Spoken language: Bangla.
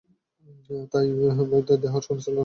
তাই তোমার দেহ আর ক্যান্সারের সাথে লড়তে পারছে না।